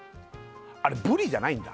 あれブリじゃないんだ